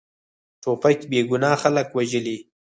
توپک بېګناه خلک وژلي.